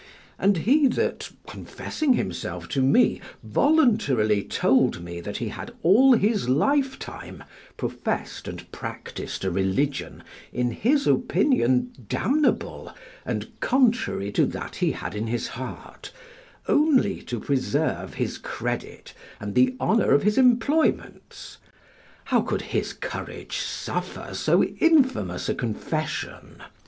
And he that, confessing himself to me, voluntarily told me that he had all his lifetime professed and practised a religion, in his opinion damnable and contrary to that he had in his heart, only to preserve his credit and the honour of his employments, how could his courage suffer so infamous a confession?